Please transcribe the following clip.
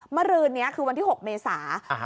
มรือเนี้ยคือวันที่หกเมษาอ่า